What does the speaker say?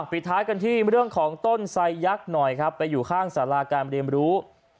ปิดท้ายกันที่เรื่องของต้นไซยักษ์หน่อยครับไปอยู่ข้างสาราการเรียนรู้